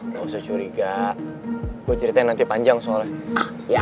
gak usah curiga gue ceritain nanti panjang soalnya